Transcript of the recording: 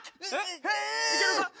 いけるか？